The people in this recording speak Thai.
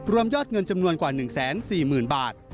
ยอดเงินจำนวนกว่า๑๔๐๐๐บาท